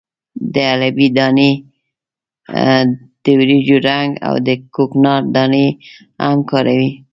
د حلبې دانې، د وریجو رنګ او د کوکنارو دانې هم کاروي.